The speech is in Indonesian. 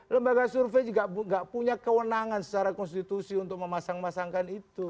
lembaga survei juga nggak punya kewenangan secara konstitusi untuk memasang masangkan itu